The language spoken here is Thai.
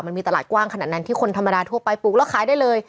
มันมีตลาดกว้างขนาดนั้นที่คนธรรมดาทั่วไปปลูกแล้วขายได้เลย